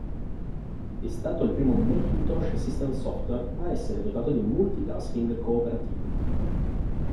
È stato il primo Macintosh System Software a essere dotato di multitasking cooperativo.